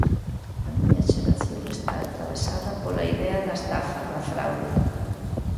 A miña xeración está atravesada pola idea da estafa, da fraude.